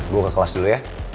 gue ke kelas dulu ya